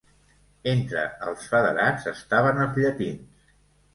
Entre els federats estaven els llatins.